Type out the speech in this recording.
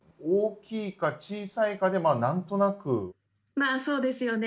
まあそうですよね。